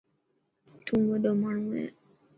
تون وڏو ماڻهو هي.